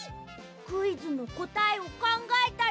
クイズのこたえをかんがえたり。